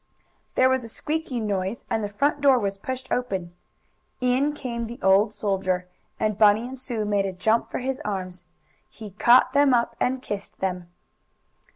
There was a squeaking noise and the front door was pushed open. In came the old soldier, and Bunny and Sue made a jump for his arms. He caught them up and kissed them.